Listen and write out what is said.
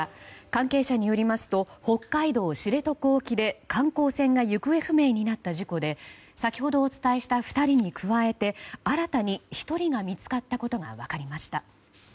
関係者によりますと北海道知床沖で観光船が行方不明になった事故で先ほどお伝えした２人に加えて新たに１人が見つかったことが分かりました。